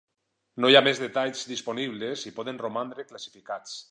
No hi ha més detalls disponibles i poden romandre classificats.